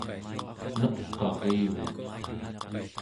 Neq'arivik